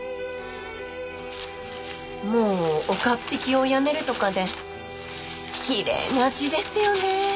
もう岡っ引きを辞めるとかできれいな字ですよね